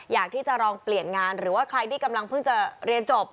อยากที่จะลองเปลี่ยนงานหรือว่าใครที่กำลังเพิ่งจะเรียนจบ